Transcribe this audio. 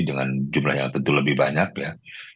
dengan jumlah yang tentu lebih banyak ya